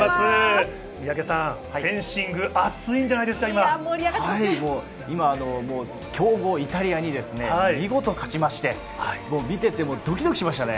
フェンシング、熱いんじゃな強豪・イタリアに見事勝ちまして、見ていてもドキドキしましたね。